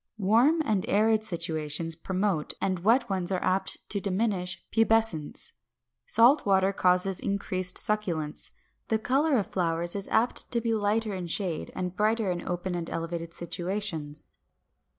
Warm and arid situations promote, and wet ones are apt to diminish pubescence. Salt water causes increased succulence. The color of flowers is apt to be lighter in shade, and brighter in open and elevated situations.